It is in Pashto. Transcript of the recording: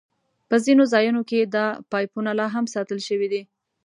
په ځینو ځایونو کې دا پایپونه لاهم ساتل شوي دي.